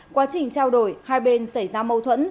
quá trình trao đổi hai bên xảy ra mâu thuẫn